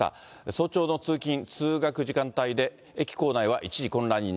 早朝の通勤・通学時間帯で、駅構内は一時混乱に。